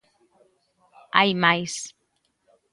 Hai máis.